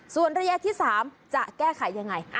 ส่วนระยะที่๓จะแก้ไขยังไง